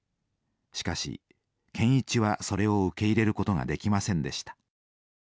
しかし健一はそれを受け入れることができませんでした。